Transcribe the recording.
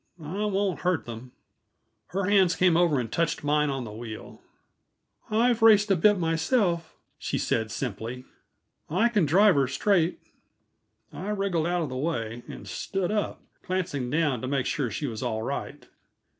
I won't hurt them." Her hands came over and touched mine on the wheel. "I've raced a bit myself," she said simply. "I can drive her straight." I wriggled out of the way and stood up, glancing down to make sure she was all right.